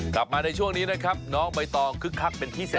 กลับมาในช่วงนี้นะครับน้องใบตองคึกคักเป็นพิเศษ